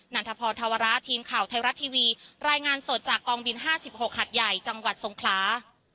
ันทพรธวระทีมข่าวไทยรัฐทีวีรายงานสดจากกองบิน๕๖หัดใหญ่จังหวัดทรงคลา